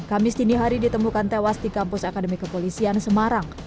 kamis dini hari ditemukan tewas di kampus akademi kepolisian semarang